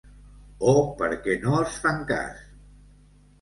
O perquè no els fan cas.